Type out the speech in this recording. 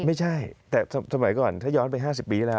ไม่ใช่แต่สมัยก่อนถ้าย้อนไป๕๐ปีที่แล้ว